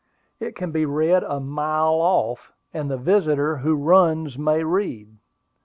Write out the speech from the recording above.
It can be read a mile off, and the visitor "who runs may read."